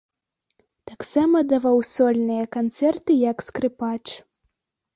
Таксама даваў сольныя канцэрты як скрыпач.